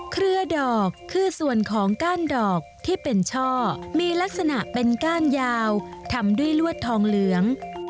เครือดอกคือส่วนของก้านดอกที่เป็นช่อมีลักษณะเป็นก้านยาวทำด้วยลวดทองเหลือง